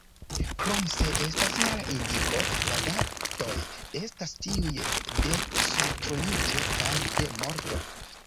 Krom se estas mala indiko, le datoj estas tiuj de surtroniĝo kaj de morto.